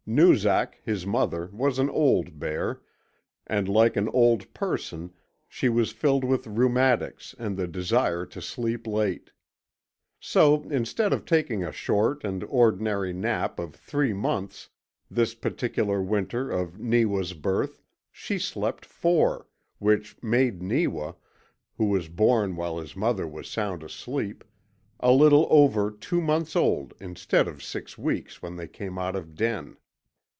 Noozak, his mother, was an old bear, and like an old person she was filled with rheumatics and the desire to sleep late. So instead of taking a short and ordinary nap of three months this particular winter of little Neewa's birth she slept four, which, made Neewa, who was born while his mother was sound asleep, a little over two months old instead of six weeks when they came out of den.